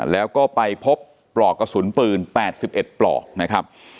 แล้วก็ไปพบปลอกกระสุนปืน๘๑ปลอกนะครับ